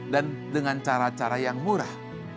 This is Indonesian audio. dan dengan cara cara yang murah